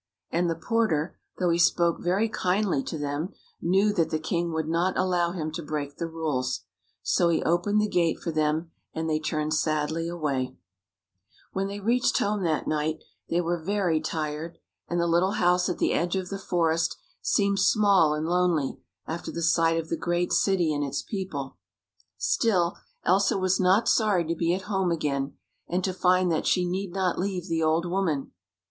And the porter, though he spoke very kindly to them, knew that the king would not allow him to break the rules. So he opened the gate for them, and they turned sadly away. 93 THE FOREST FULL OF FRIENDS When they reached home that night they were very tired, and the little house at the edge of the forest seemed small and lonely, after the sight of the great city and its people. Still, Elsa was not sorry to be at home again, and to find that she need not leave the old woman.